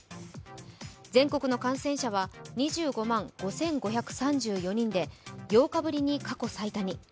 全国の感染者は２５万５５３４人で８日ぶりに過去最多に。